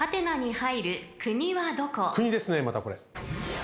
国ですねまたこれ。